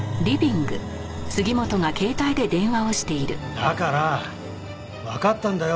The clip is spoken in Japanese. だからわかったんだよ